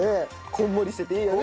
こんもりしてていいよね！